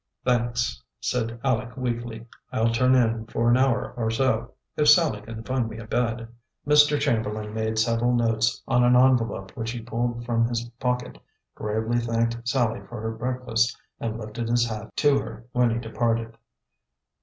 "Thanks," said Aleck weakly. "I'll turn in for an hour or so, if Sallie can find me a bed." Mr. Chamberlain made several notes on an envelope which he pulled from his pocket, gravely thanked Sallie for her breakfast and lifted his hat to her when he departed.